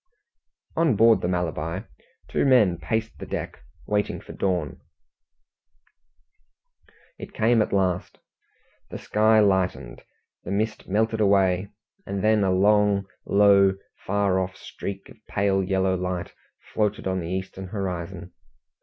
On board the Malabar two men paced the deck, waiting for dawn. It came at last. The sky lightened, the mist melted away, and then a long, low, far off streak of pale yellow light floated on the eastern horizon.